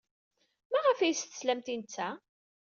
Maɣef ay as-teslamt i netta?